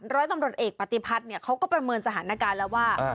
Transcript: ร้อยตำรวจเอกปฏิพัฒน์เขาก็ประเมินสถานการณ์แล้วว่า